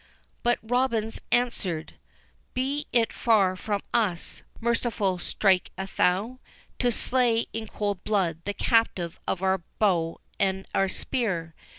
But Robins answered, "Be it far from us, Merciful Strickalthrow, to slay in cold blood the captive of our bow and of our spear.